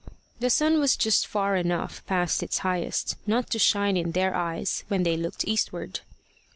The sun was just far enough past its highest not to shine in their eyes when they looked eastward.